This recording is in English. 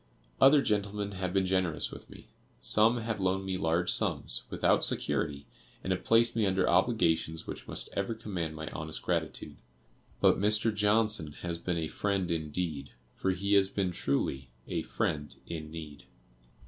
Other gentlemen have been generous with me. Some have loaned me large sums, without security, and have placed me under obligations which must ever command my honest gratitude; but Mr. Johnson has been a 'friend indeed,' for he has been truly a 'friend in need.